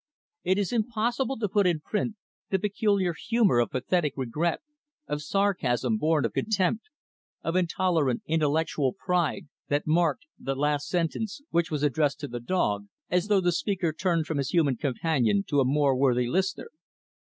It is impossible to put in print the peculiar humor of pathetic regret, of sarcasm born of contempt, of intolerant intellectual pride, that marked the last sentence, which was addressed to the dog, as though the speaker turned from his human companion to a more worthy listener.